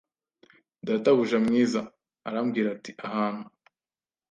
Databuja mwiza arambwira ati Ahantu